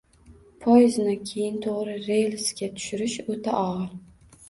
poyezdni keyin to‘g‘ri relsga tushirish – o‘ta og‘ir